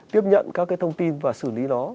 tiếp nhận các cái thông tin và xử lý đó